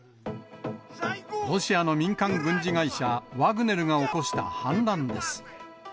ロシアの民間軍事会社ワグネルが起こした反乱です。